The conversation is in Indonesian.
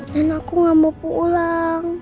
dan aku gak mau pulang